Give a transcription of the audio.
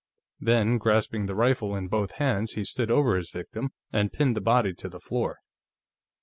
Then, grasping the rifle in both hands, he had stood over his victim and pinned the body to the floor.